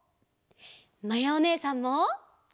まやおねえさんも！